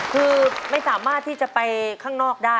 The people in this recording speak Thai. คือไม่สามารถที่จะไปข้างนอกได้